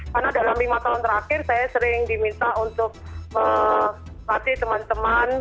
karena dalam lima tahun terakhir saya sering diminta untuk mengatasi teman teman